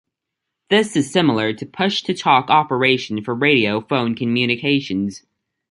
This is similar to Push-to-talk operation for radio phone communications.